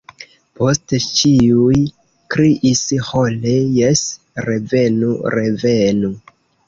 Poste ĉiuj kriis ĥore: “Jes, revenu, revenu.”